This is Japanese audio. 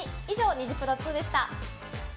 以上、ニジプロ２でした。